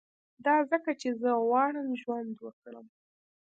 دا ځکه چي زه غواړم ژوند وکړم